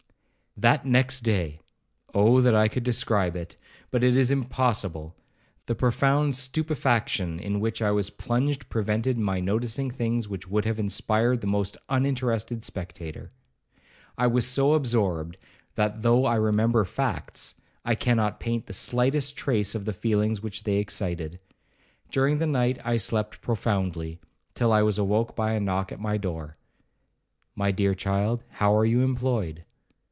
'That next day—Oh! that I could describe it!—but it is impossible—the profound stupefaction in which I was plunged prevented my noticing things which would have inspired the most uninterested spectator. I was so absorbed, that though I remember facts, I cannot paint the slightest trace of the feelings which they excited. During the night I slept profoundly, till I was awoke by a knock at my door.—'My dear child, how are you employed?'